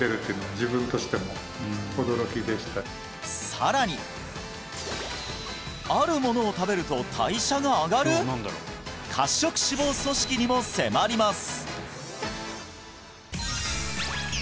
さらにあるものを食べると代謝が上がる？にも迫ります